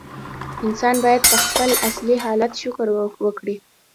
انسان باید په خپل اصلي حالت شکر وکړي.